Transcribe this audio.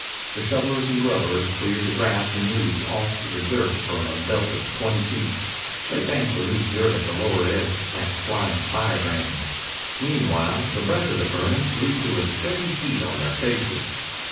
The shovelers and grubbers cleared the grass and roots off to the dirt for a belt of twenty feet. They banked the loose dirt at the lower edge to catch flying firebrands. Meanwhile the breath of the furnace grew to a steady heat on their faces.